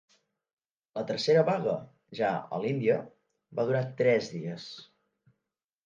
La tercera vaga, ja a l’Índia, va durar tres dies.